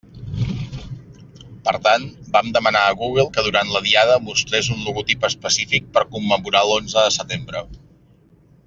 Per tant, vam demanar a Google que durant la Diada mostrés un logotip específic per commemorar l'onze de setembre.